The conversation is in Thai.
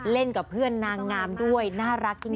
กับเพื่อนนางงามด้วยน่ารักจริง